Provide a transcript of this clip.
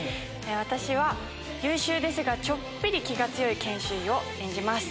私は優秀ですがちょっぴり気が強い研修医を演じます。